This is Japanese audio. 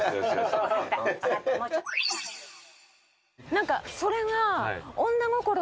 何かそれが。